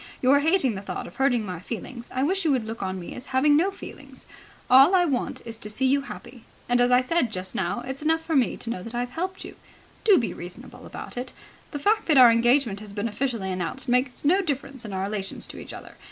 You are hating the thought of hurting my feelings. I wish you would look on me as having no feelings. All I want is to see you happy. As I said just now, it's enough for me to know that I've helped you. Do be reasonable about it. The fact that our engagement has been officially announced makes no difference in our relations to each other.